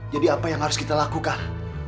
jadi apa yang harus kita lakukan